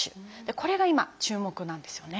これが今注目なんですよね。